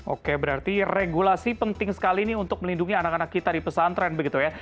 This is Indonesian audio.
oke berarti regulasi penting sekali nih untuk melindungi anak anak kita di pesantren begitu ya